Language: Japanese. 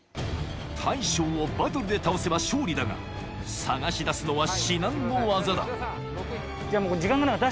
大将をバトルで倒せば勝利だが探し出すのは至難の業だ